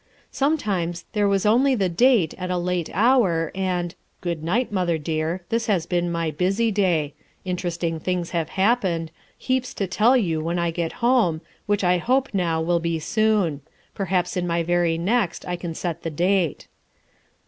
Sometimes there was only the date at a laic hour, and "Good night, mother dear. This has been my 'busy day.' Interesting things have happened. Heaps to tell you when I get home, which I hope now will be soon. Perhaps in my very next I can set the date."